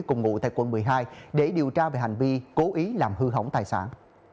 cùng ngụ tại quận một mươi hai để điều tra về hành vi cố ý làm hư hỏng tài sản